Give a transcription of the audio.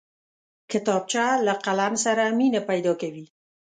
کتابچه له قلم سره مینه پیدا کوي